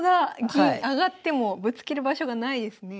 銀上がってもぶつける場所がないですね。